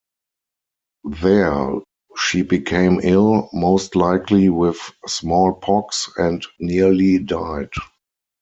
There, she became ill, most likely with smallpox, and nearly died.